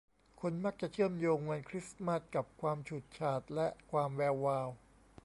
คนมักจะเชื่อมโยงวันคริสมาสต์กับความฉูดฉาดและความแวววาว